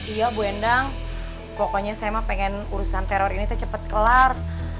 iya bu endang pokoknya saya mah pengen urusan teror ini cepat kelar